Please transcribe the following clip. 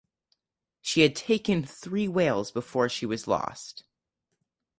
She had taken three whales before she was lost.